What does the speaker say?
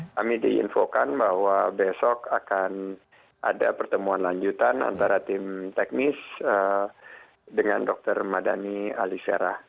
kami diinfokan bahwa besok akan ada pertemuan lanjutan antara tim teknis dengan dr madani alisera